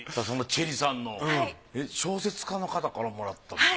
そんなチェリさんの小説家の方からもらった？